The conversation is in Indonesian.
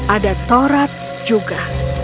ada torat juga